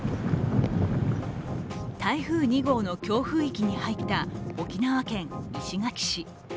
台風２号の強風域に入った沖縄県石垣市。